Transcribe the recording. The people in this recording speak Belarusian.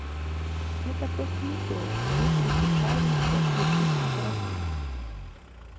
Гэта проста не тое, што вы прызвычаіліся лічыць літаратурай.